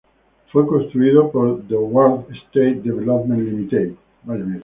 Fue construido por The Wharf Estate Development Ltd.